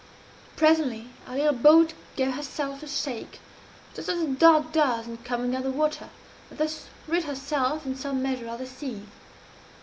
Presently our little boat gave herself a shake, just as a dog does in coming out of the water, and thus rid herself, in some measure, of the seas.